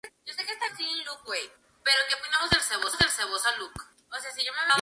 El distrito se situaba en las laderas septentrionales de los Montes Metálicos.